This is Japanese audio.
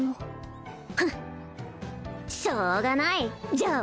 フッしょうがないじゃあ